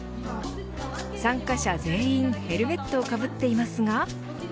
参加者全員ヘルメットをかぶっていますが。